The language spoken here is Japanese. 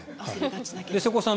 瀬古さん。